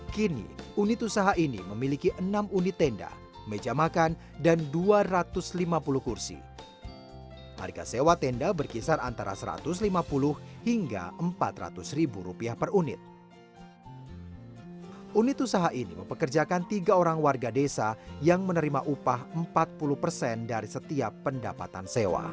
kini unit usaha ini mengembangkan pengguna peralatan dan penyewaan